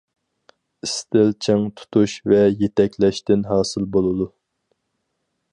ئىستىل چىڭ تۇتۇش ۋە يېتەكلەشتىن ھاسىل بولىدۇ.